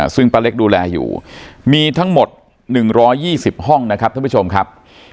ซึ่งป้าเล็กดูแลอยู่มีทั้งหมด๑๒๐ห้องนะครับท่านผู้ชมครับ